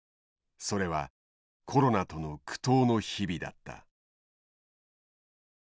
それはコロナとの苦闘の日々だった。